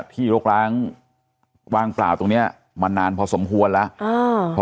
ที่โรคร้างวางกล่าวตรงเนี้ยมานานพอสมควรแล้วอ่า